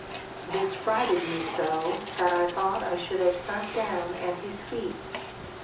This frighted me so, that I thought I should have sunk down at his feet.